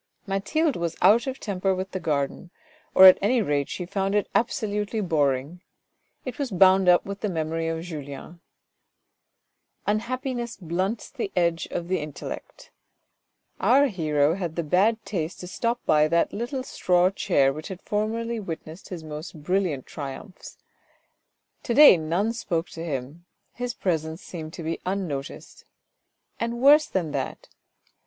Mathilde was out of temper with the garden, or at any rate she found it absolutely boring : it was bound up with the memory of Julien. Unhappiness blunts the edge of the intellect. Our hero had the bad taste to stop by that little straw chair which had formerly witnessed his most brilliant triumphs. To day none spoke to him, his presence seemed to be unnoticed, and worse than that.